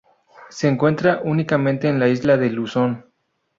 Se encuentra únicamente en la isla de Luzón.